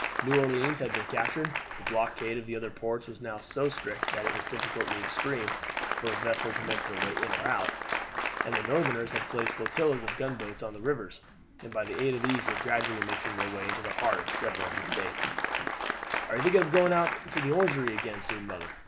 New Orleans had been captured; the blockade of the other ports was now so strict that it was difficult in the extreme for a vessel to make her way in or out; and the Northerners had placed flotillas of gunboats on the rivers, and by the aid of these were gradually making their way into the heart of several of the States. "Are you thinking of going out to the Orangery again soon, mother?"